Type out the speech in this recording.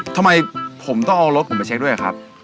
ทำไมผมต้องเอารถผมไปเช็คด้วยครับ